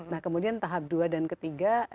nah kemudian tahap dua dan ketiga